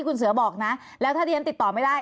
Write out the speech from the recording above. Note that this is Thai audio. คุณเสือขออภัยที่แทรก